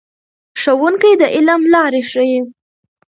ښوونکي د علم لارې ښیي.